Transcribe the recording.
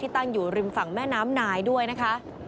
ตั้งอยู่ริมฝั่งแม่น้ำนายด้วยนะคะ